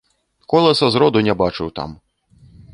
Коласа зроду не бачыў там!